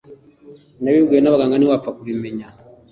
nabibwiwe n’abaganga ntiwapfa kubimenya